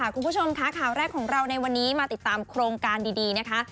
คุณผู้ชมค่ะข่าวแรกของเราในวันนี้มาติดตามโครงการดีนะคะ